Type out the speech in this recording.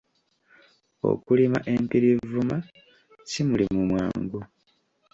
Okulima empirivuma si mulimu mwangu.